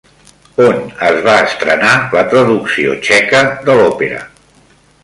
On es va estrenar la traducció txeca de l'òpera?